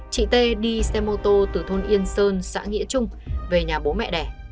chị t đi xe mô tô từ thôn yên sơn xã nghĩa trung về nhà bố mẹ đẻ